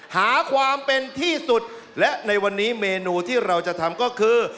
หาความเป็นที่สุดและในวันนี้เมนูที่เราจะทำก็คือ